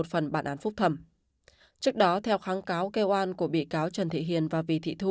trước đó theo kháng cáo kêu an của bị cáo trần thị hiền và vy thị thu